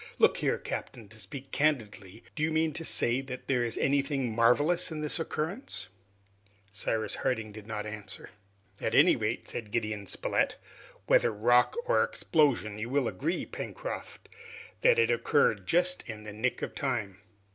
Look here, captain, to speak candidly, do you mean to say that there is anything marvelous in the occurrence?" Cyrus Harding did not answer. "At any rate," said Gideon Spilett, "whether rock or explosion, you will agree, Pencroft, that it occurred just in the nick of time!"